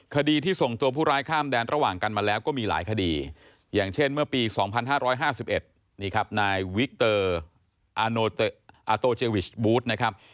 คดีที่ส่งตัวผู้ร้ายข้ามแดนระหว่างกันมาแล้วก็มีหลายคดีอย่างเช่นเมื่อปี๒๕๕๑นี่ครับนายวิกเตอร์อาโตเจวิชบูธนะครับ